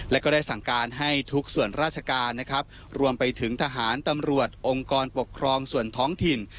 และก็ได้สั่งการให้ทุกส่วนราชการนะครับรวมไปถึงทหารตำรวจองค์กรปกครองส่วนท้องถิ่น